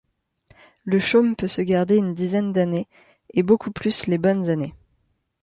Le chaume peut se garder une dizaine d'années et beaucoup plus les bonnes années.